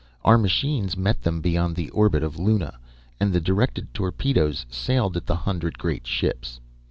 Our machines met them beyond the orbit of Luna, and the directed torpedoes sailed at the hundred great ships.